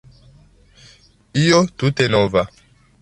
Io tute nova.